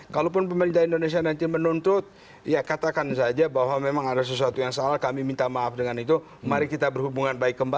kalaupun pemerintah indonesia nanti menuntut ya katakan saja bahwa memang ada sesuatu yang salah kami minta maaf dengan itu mari kita berhubungan baik kembali